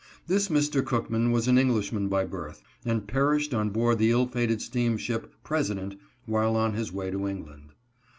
This Mr. Cookman was an Englishman by birth, and perished on board the ill fated steamship " President," while on his way to England.